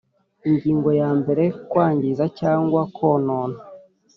Ingingo ya mbere Kwangiza cyangwa konona